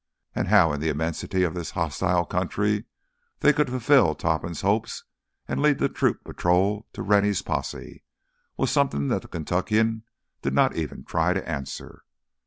And how in the immensity of this hostile country, they could fulfill Topham's hopes and lead the troop patrol to Rennie's posse, was something the Kentuckian did not even try to answer.